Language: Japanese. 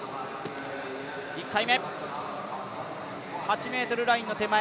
１回目、８ｍラインの手前。